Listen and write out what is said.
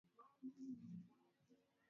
Kupishana Kusikia hali usingizi na tahadhari